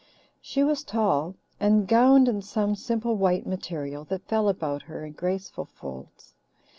She was tall, and gowned in some simple white material that fell about her in graceful folds.